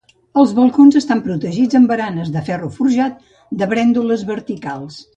Els balcons estan protegits amb baranes de ferro forjat de brèndoles verticals.